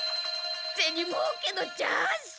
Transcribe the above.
ゼニもうけのチャンス！